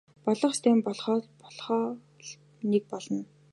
Болох ёстой юм болохоо л нэг болно.